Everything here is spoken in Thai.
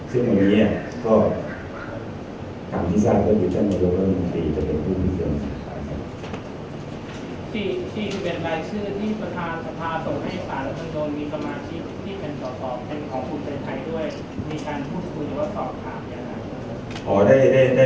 ที่เป็นของผู้ใจไทยด้วยมีการพูดคุยหรือว่าสอบถามอย่างไร